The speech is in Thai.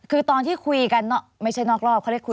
คือตอนที่คุยกันไม่ใช่นอกรอบ